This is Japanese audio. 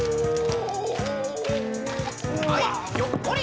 「はいひょっこりはん」。